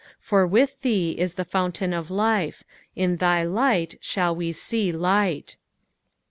9 For with thee is the fountain of life : in thy light shall we see light.